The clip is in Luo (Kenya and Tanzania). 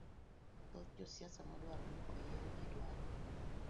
Thoth josiasa madwaro ni oyiergi, dwaro